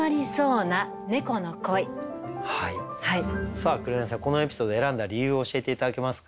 さあ紅さんこのエピソード選んだ理由を教えて頂けますか？